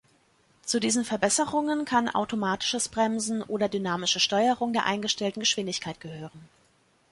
Zu diesen Verbesserungen kann automatisches Bremsen oder dynamische Steuerung der eingestellten Geschwindigkeit gehören.